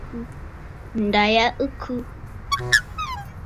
Ǹda ya ɨ khɨ.